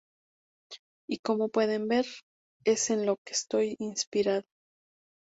Y como pueden ver, es en lo que estoy inspirada".